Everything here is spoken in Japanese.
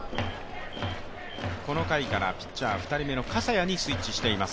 この回からピッチャー、２人目の笠谷にスイッチしています。